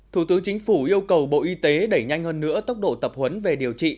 thủ tướng chính phủ yêu cầu bộ y tế đẩy nhanh hơn nữa tốc độ tập huấn về điều trị